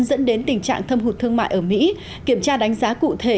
dẫn đến tình trạng thâm hụt thương mại ở mỹ kiểm tra đánh giá cụ thể